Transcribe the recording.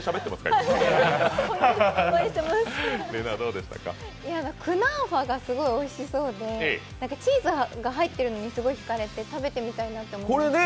今クナーファがすごいおいしそうで、チーズが入ってるのにひかれて食べてみたいなと思いました。